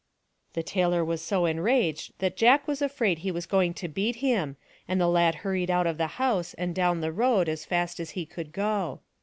The tailor was so enraged that Jack was afraid he was going to beat him, and the lad hurried out of the house and down the road as fast as he could go.